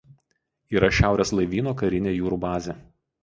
Yra šiaurės laivyno karinė jūrų bazė.